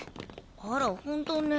あら本当ね。